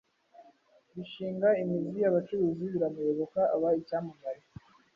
bishinga imizi abacuruzi baramuyoboka aba icyamamare.